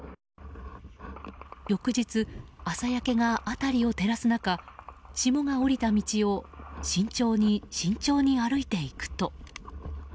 翌日、朝焼けが辺りを照らす中霜が降りた道を慎重に慎重に歩いていくと。